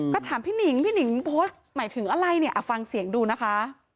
ก็ถามพี่หนิงพี่หนิงโพสต์หมายถึงอะไรเนี่ยฟังเสียงดูนะคะ